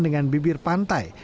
dengan bibir panjang